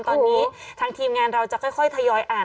ตอนนี้ทางทีมงานเราจะค่อยทยอยอ่าน